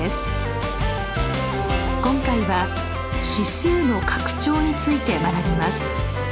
今回は「指数の拡張」について学びます。